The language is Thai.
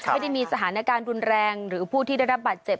ไม่ได้มีสถานการณ์รุนแรงหรือผู้ที่ได้รับบาดเจ็บ